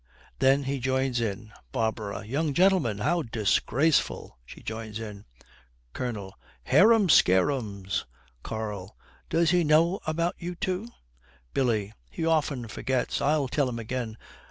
Then he joins in. BARBARA. 'Young gentlemen, how disgraceful!' She joins in. COLONEL. 'Harum scarums!' KARL. 'Does he know about you two?' BILLY. 'He often forgets, I'll tell him again.